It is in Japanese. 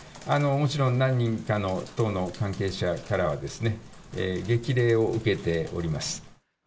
もちろん、何人かの党の関係者からはですね、激励を受けております。